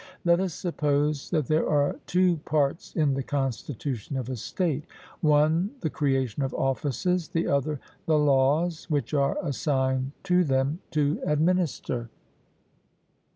Let us suppose that there are two parts in the constitution of a state one the creation of offices, the other the laws which are assigned to them to administer.